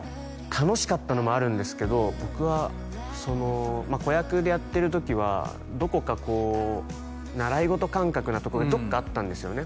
楽しかったのもあるんですけど僕はその子役でやってる時はどこかこう習い事感覚なところどこかあったんですよね